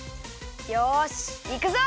よしいくぞ！